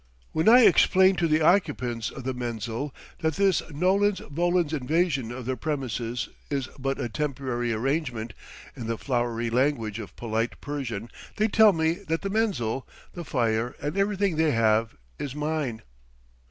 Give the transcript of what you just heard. When I explain to the occupants of the menzil that this nolens volens invasion of their premises is but a temporary arrangement, in the flowery language of polite Persian they tell me that the menzil, the fire, and everything they have is mine.